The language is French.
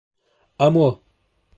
A moi !